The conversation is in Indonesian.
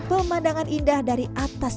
pemandangan indah dari atas